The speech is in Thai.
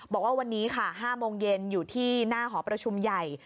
บอกว่าวันนี้ค่ะ๕โมงเย็นอยู่ที่หน้าหอประชุมใหญ่